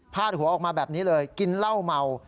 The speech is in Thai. ดหัวออกมาแบบนี้เลยกินเหล้าเมา